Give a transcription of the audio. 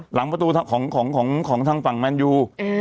หลังประตูของทางฝั่งแมนยู